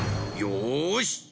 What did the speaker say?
よし！